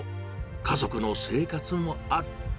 家族の生活もある。